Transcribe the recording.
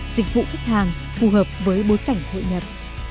dịch vụ khách hàng phù hợp với bối cảnh hội nhập